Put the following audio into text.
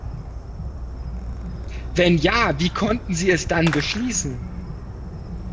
Wenn ja, wie konnten Sie es dann beschließen?